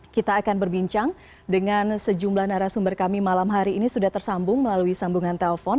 kita akan berbincang dengan sejumlah narasumber kami malam hari ini sudah tersambung melalui sambungan telpon